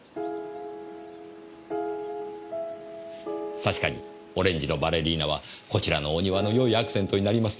確かにオレンジのバレリーナはこちらのお庭のよいアクセントになりますね。